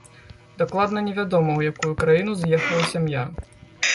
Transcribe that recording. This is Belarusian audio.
Дакладна не вядома, у якую краіну з'ехала сям'я.